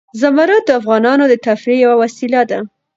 زمرد د افغانانو د تفریح یوه وسیله ده.